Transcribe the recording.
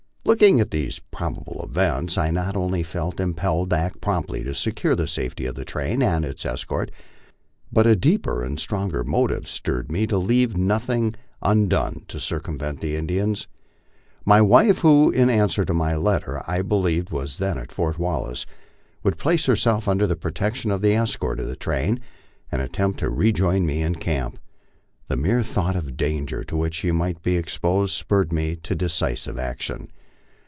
Looking at these probable events, I not only felt impelled to act promptly to secure the safety of the train and its escort, but a deeper and stronger mo tive stirred me to leave nothing undone to circumvent the Indians. My wife, who, in answer to my letter, I believed was then at Fort Wallace, would place herself under the protection of the escort of the train and attempt to rejoin mo in camp. The mere thought of the danger to which she might be exposed spurred me to decisive action.